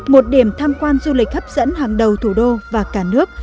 một điểm tham quan du lịch hấp dẫn hàng đầu thủ đô và cả nước